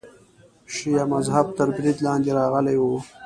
شیعه مذهب تر برید لاندې راغلی و.